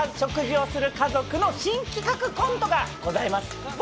音を鳴らさず食事をする家族の新企画コントがございます。